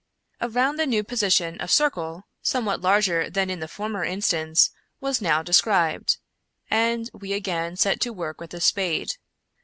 Around the new position a circle, somewhat larger than in the former instance, was now described, and we again set to work with the spade.